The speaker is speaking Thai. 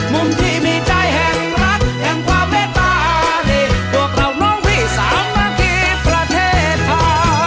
มุมที่มีใจแห่งรักแห่งความเมตตาพวกเราน้องพี่สามัคคีประเทศไทย